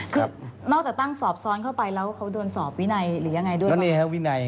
คือนอกจากตั้งสอบซ้อนเข้าไปแล้วเขาโดนสอบวินัยหรือยังไงด้วยนะ